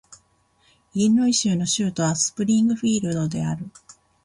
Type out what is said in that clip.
イリノイ州の州都はスプリングフィールドである